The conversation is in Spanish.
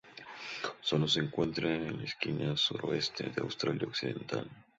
Sólo se encuentran en la esquina suroeste de Australia Occidental.